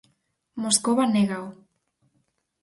Moscova négao.